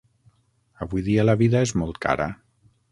Avui dia la vida és molt cara.